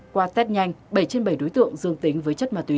qua test nhanh bảy trên bảy đối tượng dương tính với chất ma túy